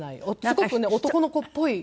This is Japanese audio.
すごくね男の子っぽい。